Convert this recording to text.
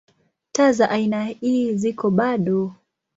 Taa za aina ii ziko bado.